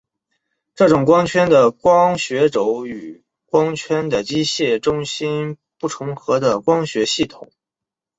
这种光圈的光学轴与光圈的机械中心不重合的光学系统。